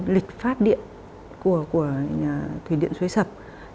lịch phát điện của thủy điện xuế sập